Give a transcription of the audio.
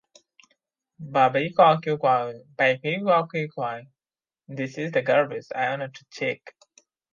গতকাল সন্ধ্যা পর্যন্ত তাদের কাছে রানা দাশগুপ্ত আনুষ্ঠানিকভাবে কোনো প্রতিবাদ পাঠাননি।